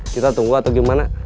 kita tunggu atau gimana